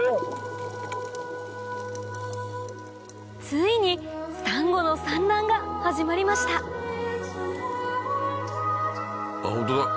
ついにサンゴの産卵が始まりましたあっ